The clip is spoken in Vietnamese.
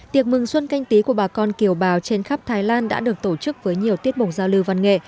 tiệc mừng xuân canh tí của bà con kiều bào trên khắp thái lan đã được tổ chức với nhiều tiết mục giao lưu văn nghệ